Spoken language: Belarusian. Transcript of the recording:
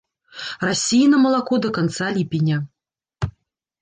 Расіі на малако да канца ліпеня.